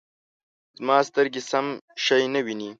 زما سترګې سم شی نه وینې